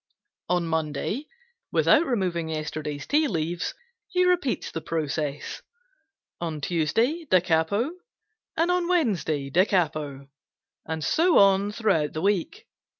On Monday, without removing yesterday's tea leaves, he repeats the process; on Tuesday da capo and on Wednesday da capo, and so on through the week.